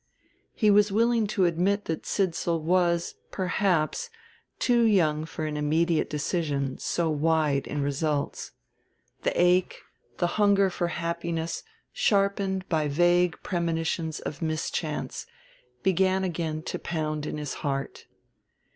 He was willing to admit that Sidsall was, perhaps, too young for an immediate decision so wide in results. The ache, the hunger for happiness sharpened by vague premonitions of mischance, began again to pound in his heart.